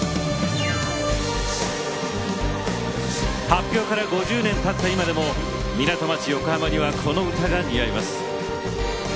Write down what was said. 発表から５０年たった今でも港町・横浜にはこの歌が似合います。